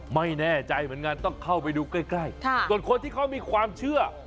ไม่แน่ใจเหมือนกันต้องเข้าไปดูใกล้ส่วนคนที่เขามีความเชื่อ